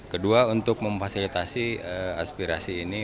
kedua untuk memfasilitasi aspirasi ini